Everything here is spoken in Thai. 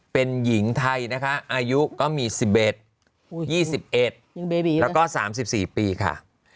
เป็นหญิงไทยนะคะอายุก็มี๑๑๒๑แล้วก็๓๔ปีค่ะ